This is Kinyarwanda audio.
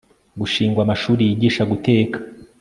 gushingwa amashuri yigisha guteka